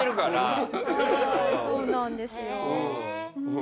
はいそうなんですよ。